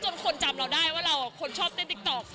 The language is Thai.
คนจำเราได้ว่าเราคนชอบเต้นติ๊กต๊อก